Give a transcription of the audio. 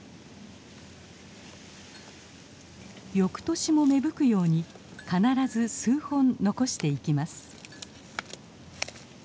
翌年も芽吹くように必ず数本残していきます。